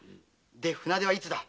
で船出はいつだ？